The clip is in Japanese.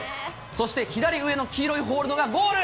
そして左上の黄色いホールドがゴール。